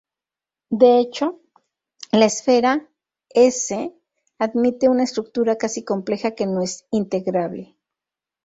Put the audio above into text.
De hecho, la esfera S admite una estructura casi compleja que no es integrable.